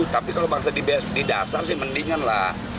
tapi kalau bangsa di dasar sih mendingan lah